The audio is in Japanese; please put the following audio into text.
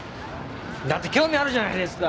だって興味あるじゃないですか。